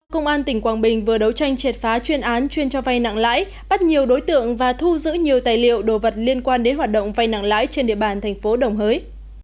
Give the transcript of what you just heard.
công an tỉnh quảng bình vừa đấu tranh triệt phá chuyên án chuyên cho vay nặng lãi bắt nhiều đối tượng và thu giữ nhiều tài liệu đồ vật liên quan đến hoạt động vay nặng lãi trên địa bàn thành phố đồng hới